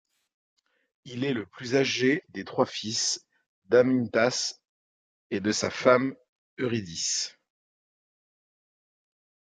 Il est le plus âgé des trois fils d’Amyntas et de sa femme Eurydice.